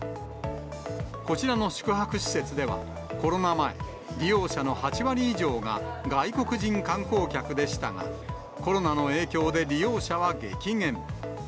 こちらの宿泊施設では、コロナ前、利用者の８割以上が外国人観光客でしたが、コロナの影響で利用者は激減。